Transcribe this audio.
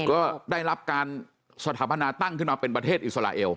ก็ได้รับการสถาปนาตั้งขึ้นมาเป็นประเทศอิสราเอล